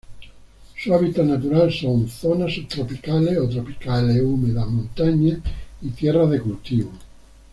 Su hábitat natural son: zonas subtropicales o tropicales húmedas montañas, y tierras de cultivo.